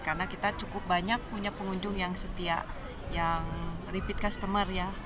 karena kita cukup banyak punya pengunjung yang setia yang repeat customer ya